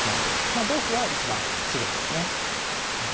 まあ同歩は一番自然ですね。